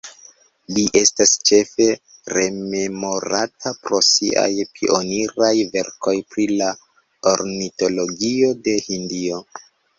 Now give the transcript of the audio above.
Li estas ĉefe rememorata pro siaj pioniraj verkoj pri la ornitologio de Hindio.